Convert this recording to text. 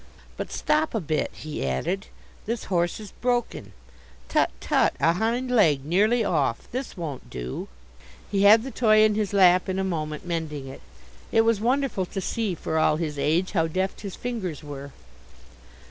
"But stop a bit," he added. "This horse is broken. Tut, tut, a hind leg nearly off. This won't do!" He had the toy in his lap in a moment, mending it. It was wonderful to see, for all his age, how deft his fingers were.